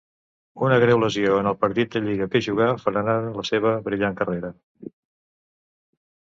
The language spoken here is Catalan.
Una greu lesió en el partit de lliga que jugà frenaren la seva brillant carrera.